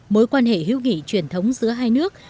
mối quan hệ hữu nghị truyền thống giữa hai nước